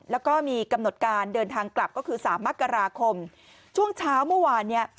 แล้วก็มีกำหนดการเดินทางกลับก็คือสามมกราคมช่วงเช้าเมื่อวานเนี่ย